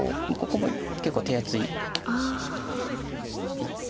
ここも結構手厚い一着。